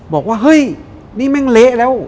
บอกว่าเฮ้ยนี่แม่งเละแล้ว